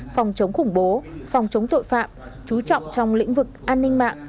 phòng chống khủng bố phòng chống tội phạm chú trọng trong lĩnh vực an ninh mạng